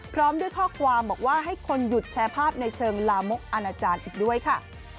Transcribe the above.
พร้อมด้วยข้อความบอกว่าให้คนหยุดแชร์ภาพในเชิงลามกอนาจารย์อีกด้วยค่ะ